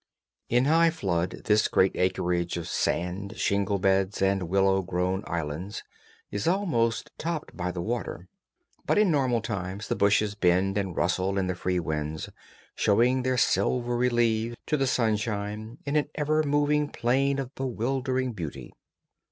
In high flood this great acreage of sand, shingle beds, and willow grown islands is almost topped by the water, but in normal seasons the bushes bend and rustle in the free winds, showing their silver leaves to the sunshine in an ever moving plain of bewildering beauty.